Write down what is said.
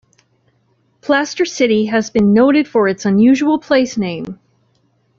Plaster City has been noted for its unusual place name.